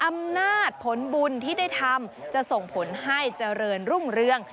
อำนาจผลบุญที่ได้ทำจะส่งผลให้เจริญรุ่งเรือง